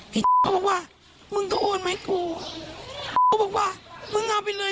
เขาบอกว่ามึงก็โอนไหมกูเขาบอกว่ามึงเอาไปเลย